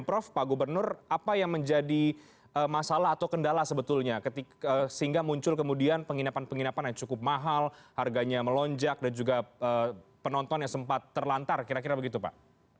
prof pak gubernur apa yang menjadi masalah atau kendala sebetulnya sehingga muncul kemudian penginapan penginapan yang cukup mahal harganya melonjak dan juga penonton yang sempat terlantar kira kira begitu pak